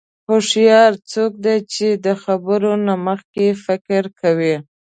هوښیار څوک دی چې د خبرو نه مخکې فکر کوي.